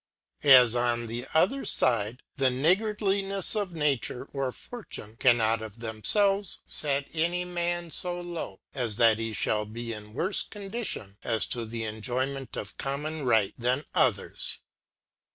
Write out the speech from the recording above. As on the other fide the Niggardhnefs of Nature or Fortune cannot of themfelves fet any Man fo low, as that he fhall be in worfe Condition, as to the En joyment of Common Rights than others.